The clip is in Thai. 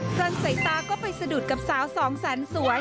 ทันสายตาก็ไปสะดุดกับสาวสองแสนสวย